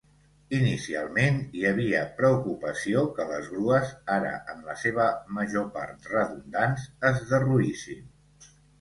Inicialment hi havia preocupació que les grues, ara en la seva major part redundants, es derruïssin.